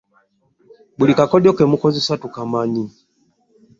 Buli kakodyo ke mukozesa tukamanyi.